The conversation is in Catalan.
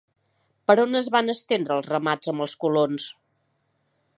Per on es van estendre els ramats amb els colons?